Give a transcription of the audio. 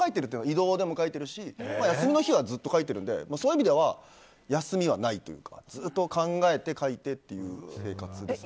移動の時も書いてるし休みの日はずっと書いてるんでそういう意味では休みはないというかずっと考えて書いてっていう生活です。